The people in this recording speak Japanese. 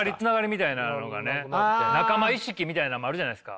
仲間意識みたいなのもあるじゃないですか。